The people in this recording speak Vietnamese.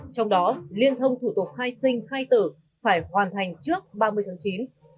trong đó liên thông thủ tục khai sinh khai tử phải hoàn thành trước ba mươi tháng chín